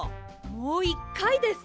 もう１かいです！